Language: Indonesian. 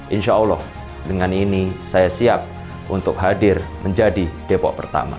insya allah dengan ini saya siap untuk hadir menjadi depok pertama